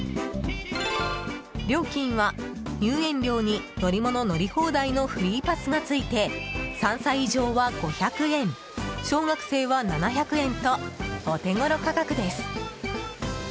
料金は入園料に乗り物乗り放題のフリーパスがついて３歳以上は５００円小学生は７００円とお手ごろ価格です。